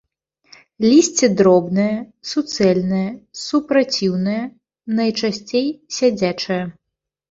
Лісце дробнае, суцэльнае, супраціўнае, найчасцей сядзячае.